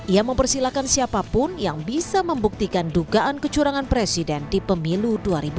ia mempersilahkan siapapun yang bisa membuktikan dugaan kecurangan presiden di pemilu dua ribu dua puluh